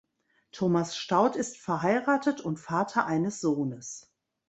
Thomas Staudt ist verheiratet und Vater eines Sohnes.